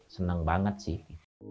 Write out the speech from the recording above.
senang banget sih